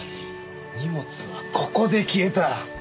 荷物はここで消えた。